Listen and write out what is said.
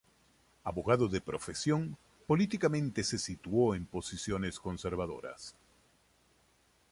Abogado de profesión, políticamente se situó en posiciones conservadoras.